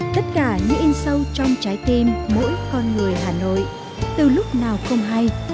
tất cả những in sâu trong trái tim mỗi con người hà nội từ lúc nào không hay